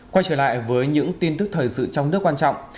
quay trở lại với những tin tức thời sự trong nước quan trọng